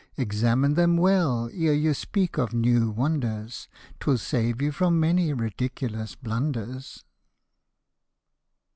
Examine them well, ere you speak of new wonders : 'Twill save you from many ridiculous blunders.